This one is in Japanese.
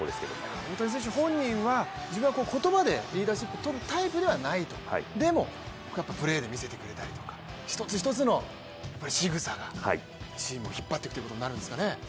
大谷選手本人は言葉でリーダーシップを取るタイプではないとでも、やっぱりプレーで見せてくれたりとか一つ一つのしぐさが、チームを引っ張ってくということになるんですかね。